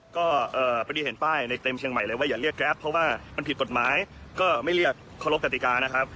ก็พอดีเห็นป้ายในเต็มเชียงใหม่เลยว่าอย่าเรียกแกรปเพราะว่ามันผิดกฎหมายก็ไม่เรียกเคารพกติกานะครับ